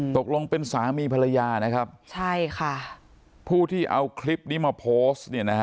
ตกลงเป็นสามีภรรยานะครับใช่ค่ะผู้ที่เอาคลิปนี้มาโพสต์เนี่ยนะฮะ